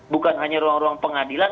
bukan hanya ruang ruang pengadilan